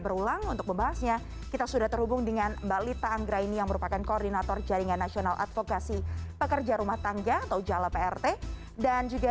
terima kasih sudah bergabung bersama kami di cnn indonesia connected